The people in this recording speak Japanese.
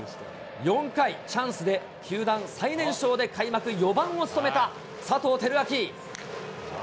４回、チャンスで球団最年少で開幕４番を務めた佐藤輝明。